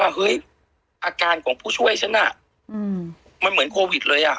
เฮ้ยอาการของผู้ช่วยฉันน่ะมันเหมือนโควิดเลยอ่ะ